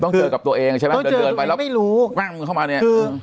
หรือต้องเจอกับตัวเอง